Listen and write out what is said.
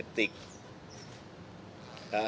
kita harus menghormati kode etik